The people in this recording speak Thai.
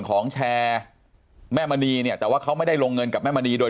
ของแชร์แม่มณีเนี่ยแต่ว่าเขาไม่ได้ลงเงินกับแม่มณีโดย